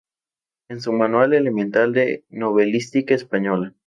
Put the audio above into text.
En su "Manual elemental de novelística española.